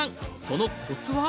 そのコツは？